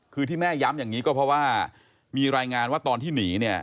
คือที่แม่ย้ำอย่างนี้ก็เพราะว่ามีรายงานว่าตอนที่หนีเนี่ย